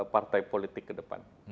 partai politik ke depan